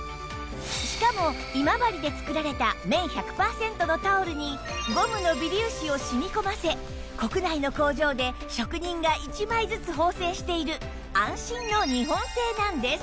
しかも今治で作られた綿１００パーセントのタオルにゴムの微粒子を染み込ませ国内の工場で職人が１枚ずつ縫製している安心の日本製なんです